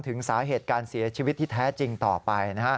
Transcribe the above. ถึงสาเหตุการเสียชีวิตที่แท้จริงต่อไป